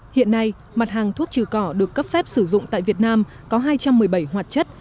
hiện nay mặt hàng thuốc trừ cỏ được cấp phép sử dụng tại việt nam có hai trăm một mươi bảy hoạt chất